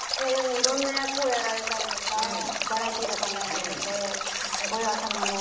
いろんな役をやられたりとかバラエティーとかもやられてて。